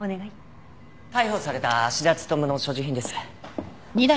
逮捕された芦田勉の所持品です。